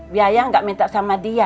saya tidak minta sama dia